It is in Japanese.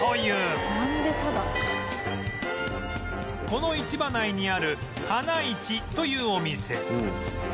この市場内にある花いちというお店